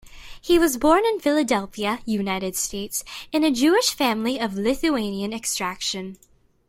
He was born in Philadelphia, United States, in a Jewish family of Lithuanian extraction.